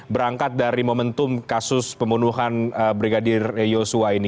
berangkat dari momentum kasus pembunuhan brigadir yosua ini